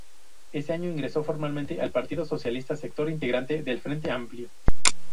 Ese año ingresó formalmente al Partido Socialista, sector integrante del Frente Amplio.